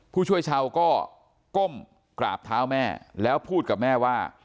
ผู้ช่วยชาวก็ก้มกราบเท้าแม่แล้วพูดกับแม่ว่า